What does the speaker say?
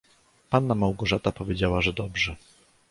"Panna Małgorzata powiedziała, że dobrze."